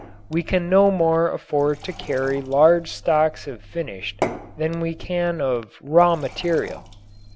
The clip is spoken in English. We can no more afford to carry large stocks of finished than we can of raw material.